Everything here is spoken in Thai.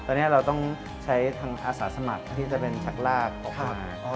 ตอนนี้เราต้องใช้ทางอาสาสมัครที่จะเป็นชักลากออกมา